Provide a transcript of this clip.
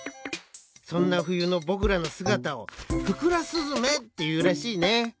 そんなふゆのぼくらのすがたを「ふくらすずめ」っていうらしいね。